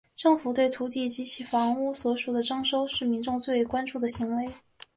政府对土地及所属房屋的征收是民众最为关注的行为。